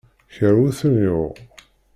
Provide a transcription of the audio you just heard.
Kra ur ten-yuɣ.